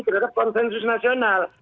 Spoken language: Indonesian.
terhadap konsensus nasional